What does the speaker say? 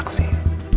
aku pengen dia benny